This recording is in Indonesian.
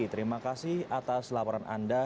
terima kasih atas laporan anda